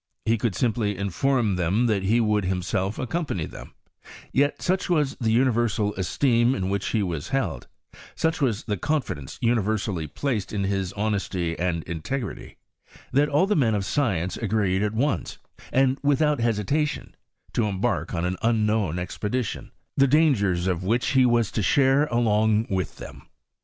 He could simply inform them that he would himself accompany them ; yet such waa the universal esteem in which he was held, such was the confidence universally placed in his honesty and integrity, that all the men of science agreed at once, and without hesitation, to embark on an unknown expedition, the dangers of which he waa to share along with them.